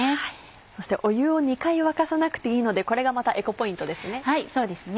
そして湯を２回沸かさなくていいのでこれがまたエコポイントですね。